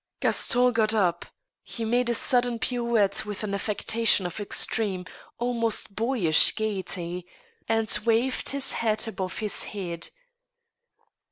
Gaston got up. He made a sudden pirouette with an affectation of extreme, almost bo3rish, gayety, and waved his hat above his head.